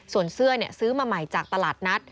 ส่วนเสื้อซื้อมาใหม่จากตลาดนัด